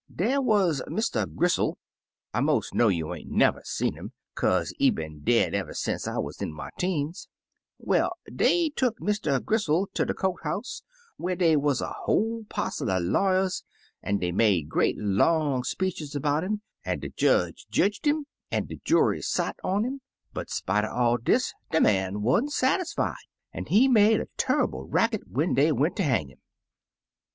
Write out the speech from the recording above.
Der wuz Mr. Gristle, — I most know you ain't never see 'im, kaze he been dead eve'y sence I wuz in my teens. Well, dey tuck Mr. Gristle ter de court ^house, whar dey wuz a whole passel er lawyers, an' dey made great long speeches 'bout 'im, an' de jedge jedged 'im, an' de juiy sot oh 'im; but spite er all dis 56 Taily Po de man wa'n't sachified, an' he made a tur rible racket when dey went ter hang 'im.